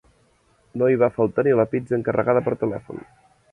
No hi va faltar ni la pizza encarregada per telèfon.